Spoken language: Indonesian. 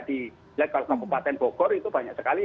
di level kabupaten bogor itu banyak sekali